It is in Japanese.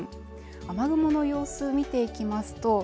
雨雲の様子を見ていきますと